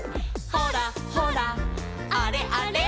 「ほらほらあれあれ」